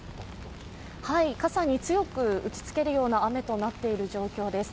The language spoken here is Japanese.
傘につよく打ちつけるような雨となっている状況です。